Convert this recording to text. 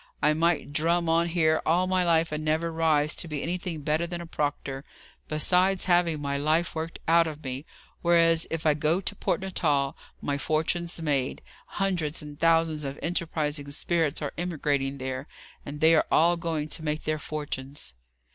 I might drum on here all my life and never rise to be anything better than a proctor, besides having my life worked out of me; whereas, if I can get to Port Natal, my fortune's made. Hundreds and thousands of enterprising spirits are emigrating there, and they are all going to make their fortunes."